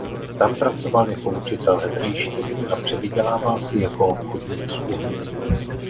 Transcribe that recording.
Tam pracoval jako učitel hebrejštiny a přivydělával si jako obchodník s uhlím.